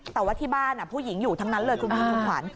แต่ว่าที่บ้านผู้หญิงอยู่ทั้งนั้นเลยคุณพี่คุณขวัญ